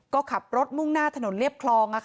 ก็ขับรถมุ่งหน้าถนนเรียบคลอง